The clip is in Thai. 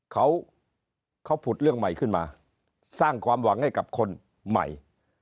เขาเขาผุดเรื่องใหม่ขึ้นมาสร้างความหวังให้กับคนใหม่